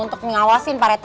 untuk mengawasi pak rt